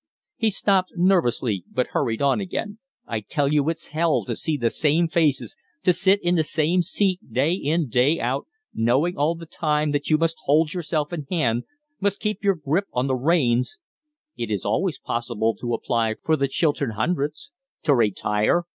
He stopped nervously, then hurried on, again. "I tell you it's hell to see the same faces, to sit in the same seat day in, day out, knowing all the time that you must hold yourself in hand, must keep your grip on the reins " "It is always possible to apply for the Chiltern Hundreds." "To retire?